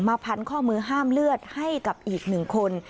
พันข้อมือห้ามเลือดให้กับอีกหนึ่งคน